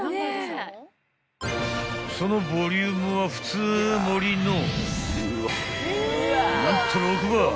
［そのボリュームは普通盛りの何と６倍！］